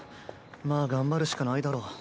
まあ頑張るしかないだろ。